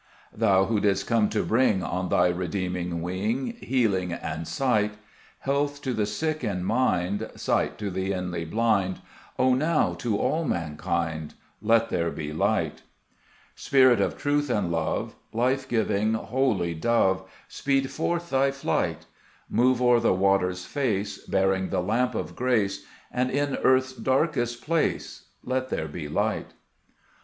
2 Thou, who didst come to bring On Thy redeeming wing Healing and sight, Health to the sick in mind, Sight to the inly blind, O now to all mankind Let there be light. 55 Gbe JSeet Cburcb Ib^mne, Spirit of truth and love, Life giving, holy Dove, Speed forth Thy flight ; Move o'er the waters' face Bearing the lamp of grace, And in earth's darkest place Let there be light.